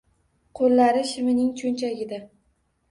Qo'llari shimining cho'nchagida.